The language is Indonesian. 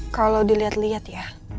kalau dilihat lihat ya